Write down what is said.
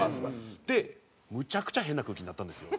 でむちゃくちゃ変な空気になったんですよ。